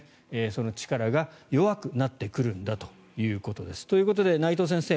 その力が弱くなってくるんだということです。ということで内藤先生